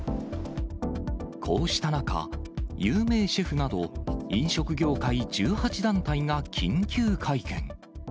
こうした中、有名シェフなど、飲食業界１８団体が緊急会見。